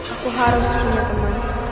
aku harus punya teman